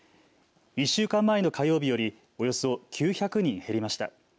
１週間前の火曜日よりおよそ９００人減りました。